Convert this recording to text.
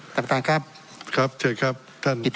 ต่างครับครับเชิญครับท่านประท้วง